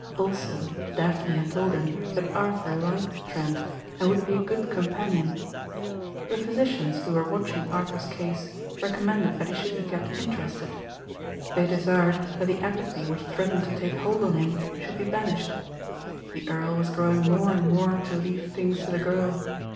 Also Daphne had told him that Arthur liked Trent and would be a good companion. The physicians who were watching Arthur's case recommended that he should be kept interested. They desired that the apathy which threatened to take hold on him should be banished. The Earl was growing more and more to leave things to the girl.